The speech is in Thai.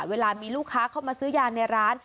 เวลามีลูกค้าเข้ามาซื้อยาในร้าน